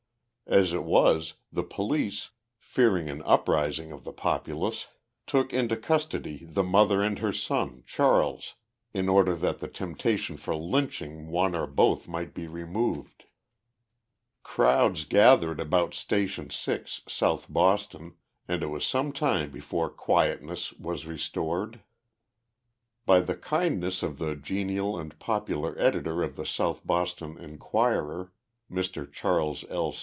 As it was, the police, fearing an uprising of the populace, took into custody the mother and her son, Charles, in order that the temptation for lynching one or both might be removed. — Crowds gathered about Station G, South Boston, and it was some time before quietness was restored. 30 TIJE LIFE OF JESSE HARDING POMEROY. By the kindness of the genial and popular editor of the South Boston Inquirer, Mr. Charles L.